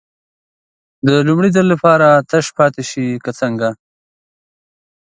د لومړي ځل لپاره تش پاتې شي که څنګه.